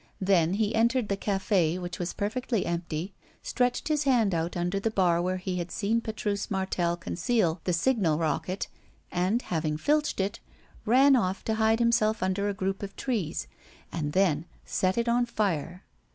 Then he entered the café, which was perfectly empty, stretched his hand out under the bar where he had seen Petrus Martel conceal the signal rocket, and, having filched it, he ran off to hide himself under a group of trees, and then set it on fire.